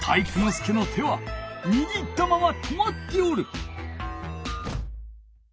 介の手はにぎったまま止まっておる。